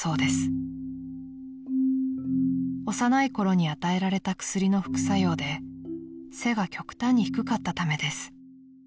［幼いころに与えられた薬の副作用で背が極端に低かったためです］